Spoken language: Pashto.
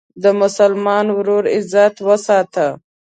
د مسلمان ورور عزت وساته.